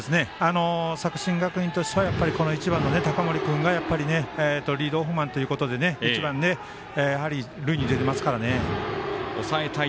作新学院としては１番の高森君がリードオフマンということで塁に出れますからね。